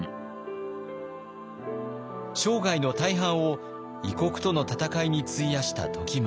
生涯の大半を異国との戦いに費やした時宗。